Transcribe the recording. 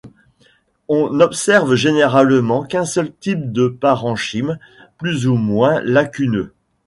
On n'observe généralement qu'un seul type de parenchyme, plus ou moins lacuneux.